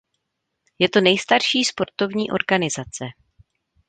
Je to nejstarší sportovní organizace.